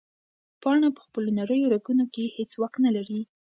پاڼه په خپلو نریو رګونو کې هیڅ نه لري.